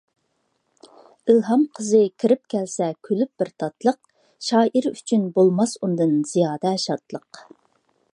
ئىلھام قىزى كىرىپ كەلسە كۈلۈپ بىر تاتلىق، شائىر ئۈچۈن بولماس ئۇندىن زىيادە شادلىق.